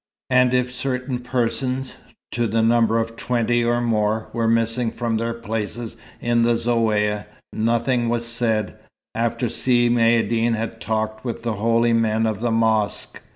And if certain persons, to the number of twenty or more, were missing from their places in the Zaouïa, nothing was said, after Si Maïeddine had talked with the holy men of the mosque.